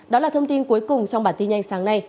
đó là thông tin cuối cùng trong bản tin nhanh sáng nay